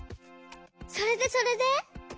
それでそれで？